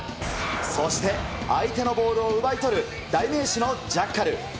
そして、相手のボールを奪い取る代名詞のジャッカル。